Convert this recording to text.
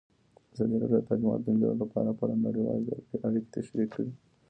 ازادي راډیو د تعلیمات د نجونو لپاره په اړه نړیوالې اړیکې تشریح کړي.